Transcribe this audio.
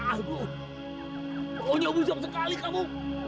aduh pokoknya busuk sekali kamu